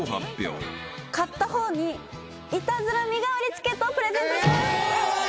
勝った方にイタズラ身代わりチケットをプレゼントします！